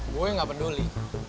gue yang gak peduli